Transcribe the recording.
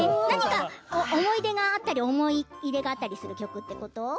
何か思い出があったり思い入れがあったりする曲ってこと？